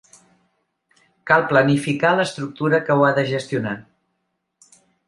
Cal planificar l’estructura que ho ha de gestionar.